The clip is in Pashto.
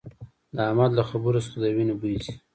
د احمد له خبرو څخه د وينې بوي ځي